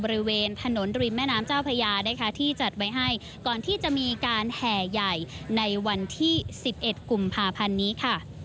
บริเวณถนนริมแม่น้ำเจ้าพญานะคะที่จัดไว้ให้ก่อนที่จะมีการแห่ใหญ่ในวันที่๑๑กุมภาพันธ์นี้ค่ะ